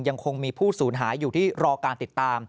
ยังคงมีผู้สูญหายอยู่ที่รอการติดตาม